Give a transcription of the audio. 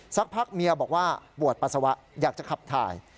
สักพักเมียบอกว่าปวดปัสสาวะอยากจะขับถ่าย